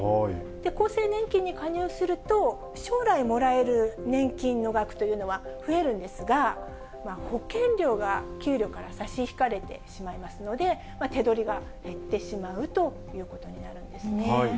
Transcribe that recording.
厚生年金に加入すると、将来もらえる年金の額というのは増えるんですが、保険料が給料から差し引かれてしまいますので、手取りが減ってしまうということになるんですね。